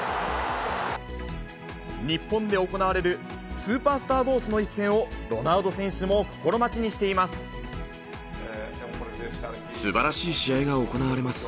日本で行われるスーパースターどうしの一戦を、ロナウド選手も心すばらしい試合が行われます。